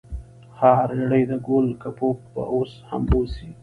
ها ریړۍ د ګول ګپو به اوس هم اوسي؟